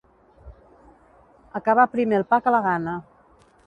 Acabar primer el pa que la gana.